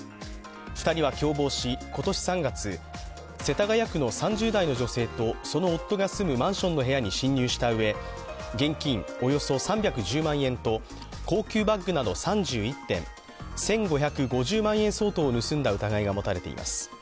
２人は共謀し今年３月世田谷区の３０代の女性とその夫が住むマンションの部屋に侵入したうえ現金およそ３１０万円と高級バッグなど３１点、１５５０万円相当を盗んだ疑いが持たれています。